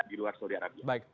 di luar saudi arabia